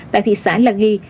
tại thị xã la ghi